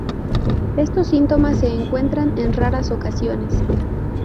Estos síntomas se encuentran en raras ocasiones.